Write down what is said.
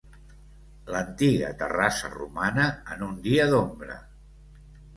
L'antiga Terrassa romana en un dia d'ombra.